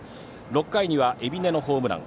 ６回には海老根のホームラン。